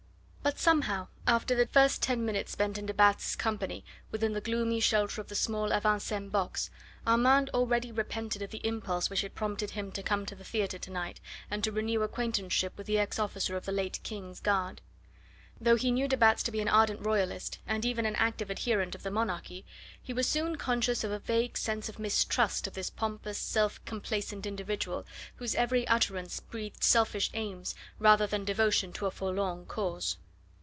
But somehow, after the first ten minutes spent in de Batz' company within the gloomy shelter of the small avant scene box, Armand already repented of the impulse which had prompted him to come to the theatre to night, and to renew acquaintanceship with the ex officer of the late King's Guard. Though he knew de Batz to be an ardent Royalist, and even an active adherent of the monarchy, he was soon conscious of a vague sense of mistrust of this pompous, self complacent individual, whose every utterance breathed selfish aims rather than devotion to a forlorn cause.